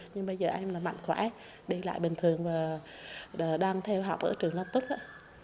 nhưng bây giờ em là mạnh khỏe đi lại bình thường và đang theo học ở trường lâm tức á